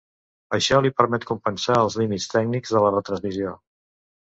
Això li permet compensar els límits tècnics de la retransmissió.